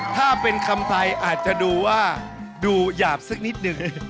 ถ้าเป็นคำไทยอาจจะดูว่าดูหยาบสักนิดหนึ่ง